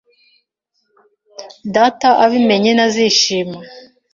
Data abimenye, ntazishima.